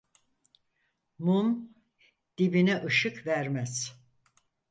Mum dibine ışık vermez.